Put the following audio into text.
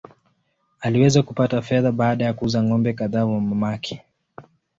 Aliweza kupata fedha baada ya kuuza ng’ombe kadhaa wa mamake.